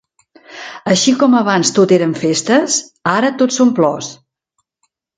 Així com abans tot eren festes, ara tot són plors.